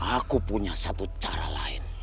aku punya satu cara lain